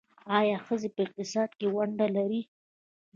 آیا ښځې په اقتصاد کې ونډه لري؟